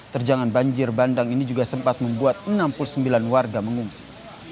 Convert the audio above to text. terjangan banjir bandang ini juga sempat membuat enam puluh sembilan warga mengungsi